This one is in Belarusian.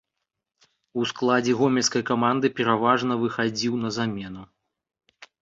У складзе гомельскай каманды пераважна выхадзіў на замену.